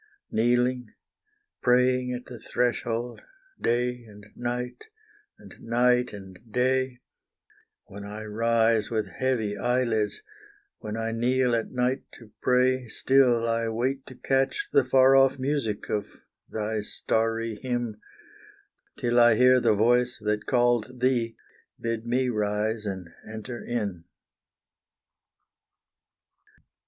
Kneeling praying at the threshold day and night, and night and day, When I rise with heavy eyelids when I kneel at night to pray Still I wait to catch the far off music of the starry hymn, Till I hear the voice that called thee bid me rise and enter in.